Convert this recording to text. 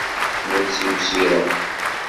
La ttiwsireɣ!